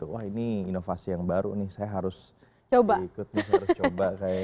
wah ini inovasi yang baru nih saya harus ikut saya harus coba